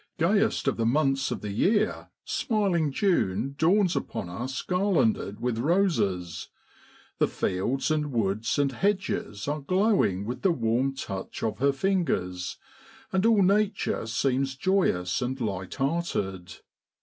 AYEST of the months of the year, smiling June dawns upon us garlanded with roses; the fields and woods and hedges are glowing with the warm touch of her fingers, and all nature seems joyous and light hearted.